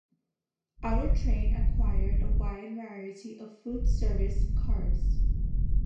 Auto-Train acquired a wide variety of food service cars.